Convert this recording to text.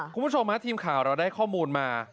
คุณผู้ชมฮะทีมข่าวเราได้ข้อมูลมา